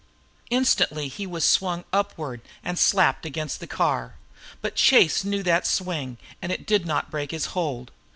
Instantly he was swung upward and slapped against the car. But Chase knew that swing, and it did not break his hold.